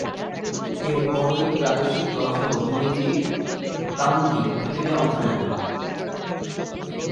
এর পরপরই প্রাদেশিক দলসহ ইংরেজ কাউন্টি ক্রিকেটে অংশ নেন।